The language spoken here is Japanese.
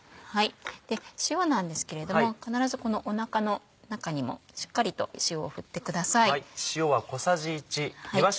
で塩なんですけれども必ずこのおなかの中にもしっかりと塩を振ってください。